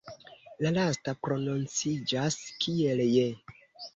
La lasta prononciĝas kiel "je".